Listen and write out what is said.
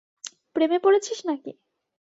প্রেমে পড়েছিস নাকি?